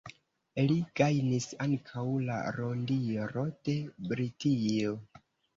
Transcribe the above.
Li gajnis ankaŭ la rondiro de Britio.